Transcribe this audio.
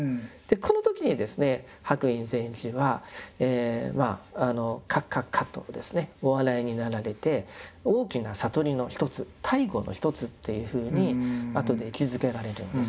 この時にですね白隠禅師はまあカッカッカとお笑いになられて大きな悟りのひとつ「大悟のひとつ」っていうふうにあとで位置づけられるんです。